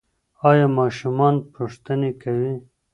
ایا ماشومان پوښتني کوي؟